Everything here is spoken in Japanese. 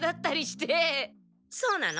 そうなの？